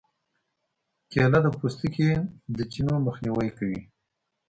کېله د پوستکي د چینو مخنیوی کوي.